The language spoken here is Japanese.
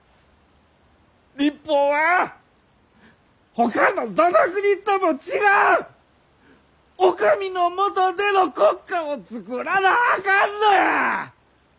日本はほかのどの国とも違うお上のもとでの国家を作らなあかんのや。